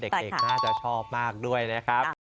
เด็กน่าจะชอบมากด้วยนะครับ